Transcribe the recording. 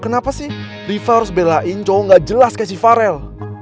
kenapa sih rifa harus belain cowok gak jelas kayak si farel